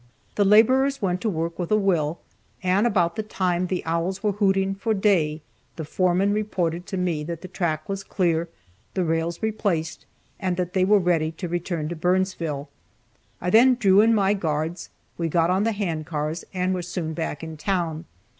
The laborers went to work with a will, and about the time the owls were hooting for day the foreman reported to me that the track was clear, the rails replaced, and that they were ready to return to Burnsville. I then drew in my guards, we got on the hand cars, and were soon back in town.